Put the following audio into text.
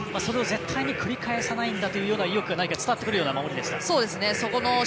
それを絶対に繰り返さないんだという意欲が伝わってくるような守りでした。